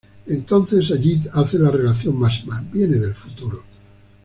Entonces Sayid hace la revelación máxima: viene del futuro.